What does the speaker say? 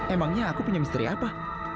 emangnya aku punya misteri apa